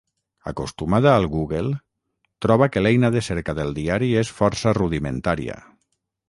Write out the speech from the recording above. Acostumada al Google, troba que l'eina de cerca del diari és força rudimentària.